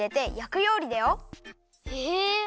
へえ！